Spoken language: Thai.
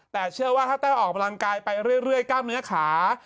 แต่เชื่อว่าถ้าแต้วออกกำลังกายไปเรื่อยกล้ามเนื้อขา